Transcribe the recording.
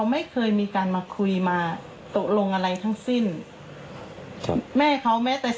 สวัสดีค่ะทนมากทุกคนบอกว่าในวันนี้บ่อยลูกชายแม่ค่ะ